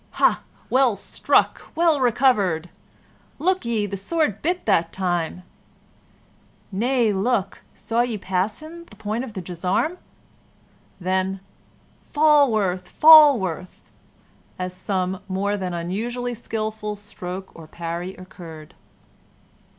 "Hah! well struck! well recovered!" "Look ye! the sword bit that time!" "Nay, look, saw ye him pass the point of the gisarm?" Then, "Falworth! Falworth!" as some more than usually skilful stroke or parry occurred.